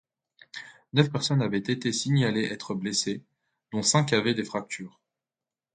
Neuf personnes avaient été signalées être blessées, dont cinq avaient des fractures.